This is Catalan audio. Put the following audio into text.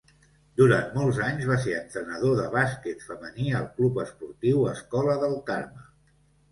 Durant molts anys va ser entrenador de bàsquet femení al Club Esportiu Escola del Carme.